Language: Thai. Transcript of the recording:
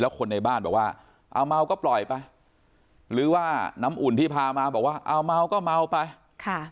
คนในบ้านบอกว่าเอาเมาก็ปล่อยไปหรือว่าน้ำอุ่นที่พามาบอกว่าเอาเมาก็เมาไปค่ะ